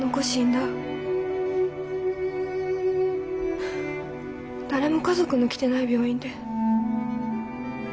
だれも家族の来てない病院で。